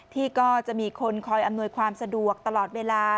ก็จะมีคนคอยอำนวยความสะดวกตลอดเวลา